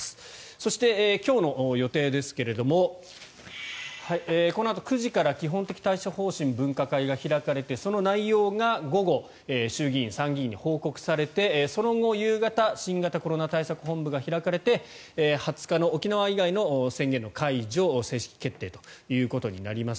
そして、今日の予定ですがこのあと９時から基本的対処方針分科会が開かれてその内容が午後衆議院、参議院に報告されてその後、夕方新型コロナ対策本部会議が開かれて２０日の沖縄以外の宣言の解除を正式決定ということになります。